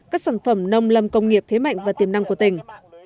các sản phẩm nông lâm công nghiệp thế mạnh và tiềm năng của tỉnh